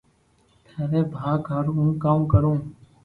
ٿاري ڀاگ ھارو ھون ڪاوُ ڪارو